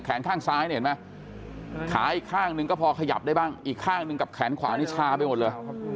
ข้างซ้ายเนี่ยเห็นไหมขาอีกข้างหนึ่งก็พอขยับได้บ้างอีกข้างหนึ่งกับแขนขวานี่ชาไปหมดเลย